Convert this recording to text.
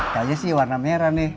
kayaknya sih warna merah nih